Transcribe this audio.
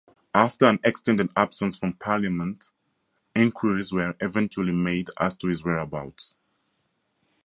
After an extended absence from Parliament, inquiries were eventually made as to his whereabouts.